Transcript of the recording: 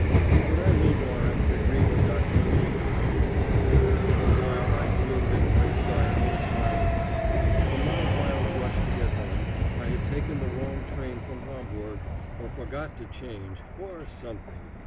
But I will warrant that Ribe got no wink of sleep that night, the while I fumed in a wayside Holstein inn. In my wild rush to get home I had taken the wrong train from Hamburg, or forgot to change, or something.